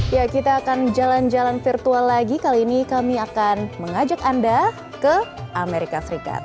ya kita akan jalan jalan virtual lagi kali ini kami akan mengajak anda ke amerika serikat